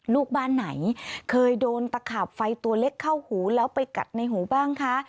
ลูกบ้านไหนเคยโดนตะขาบไฟตัวเล็กเข้าหูแล้วไปกัดในหูบ้างคะ